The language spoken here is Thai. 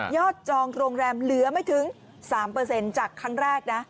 จองโรงแรมเหลือไม่ถึง๓จากครั้งแรกนะ